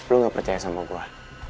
lu gak percaya sama gue